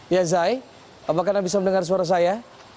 ya zai apakah anda bisa mendengar suara saya